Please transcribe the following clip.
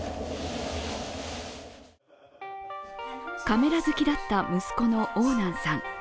カメラ好きだった息子の王楠さん。